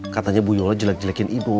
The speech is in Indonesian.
katanya bu yola jelek jelekin idoi